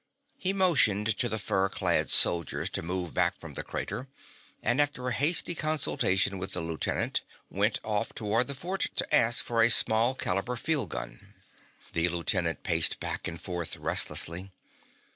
He motioned to the fur clad soldiers to move back from the crater, and after a hasty consultation with the lieutenant went off toward the fort to ask for a small caliber field gun. The lieutenant paced back and forth restlessly.